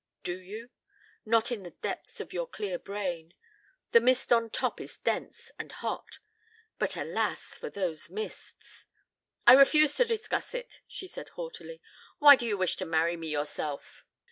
"Do you? Not in the depths of your clear brain. The mist on top is dense and hot but, alas for those mists!" "I refuse to discuss it," she said haughtily. "Why do you wish to marry me yourself?"